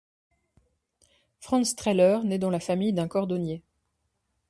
Franz Treller naît dans la famille d'un cordonnier.